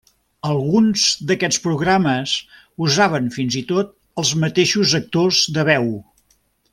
Alguns d'aquests programes usaven fins i tot els mateixos actors de veu.